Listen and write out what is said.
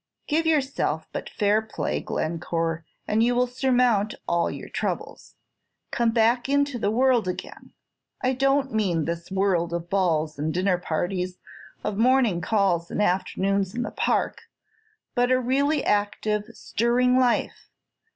"Give yourself but fair play, Glencore, and you will surmount all your troubles. Come back into the world again, I don't mean this world of balls and dinner parties, of morning calls and afternoons in the Park; but a really active, stirring life.